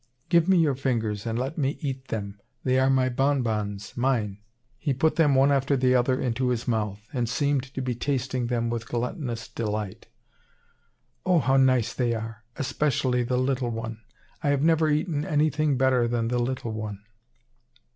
"Give me your fingers and let me eat them they are my bonbons, mine!" He put them one after the other into his mouth, and seemed to be tasting them with gluttonous delight. "Oh! how nice they are! especially the little one. I have never eaten anything better than the little one."